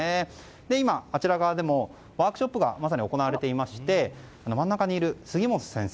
今、あちら側でもワークショップがまさに行われていまして真ん中にいる杉本先生